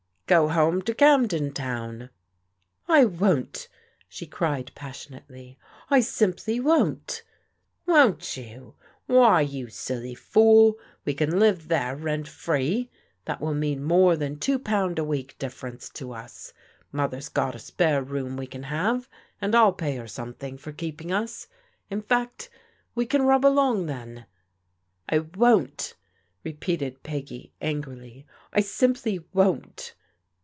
" Go home to Camden Town." *' I won't !" she cried passionately. I simply won't !"" Won't you? Why, you silly fool, we can live there rent free. That will mean more than two pound a week ^fference to us. Motia^t's ^t 2. s^are room we can PEGGY'S ROMANCE FADES 25T haves and I'll pay her something for keeping us. la fact, we can rub along then." "I won't!" repeated Peggy angrily. "I simply won't